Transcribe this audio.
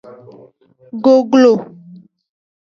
Goglo.